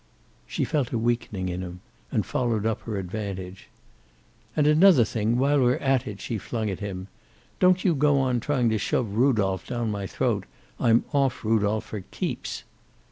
She felt a weakening in him, and followed up her advantage. "And another thing, while we're at it," she flung at him. "Don't you go on trying to shove Rudolph down my throat. I'm off Rudolph for keeps."